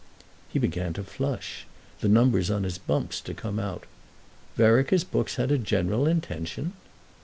He began to flush—the numbers on his bumps to come out. "Vereker's books had a general intention?"